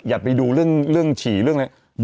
อย่าไปดูเรื่องฉี่เรื่องอะไร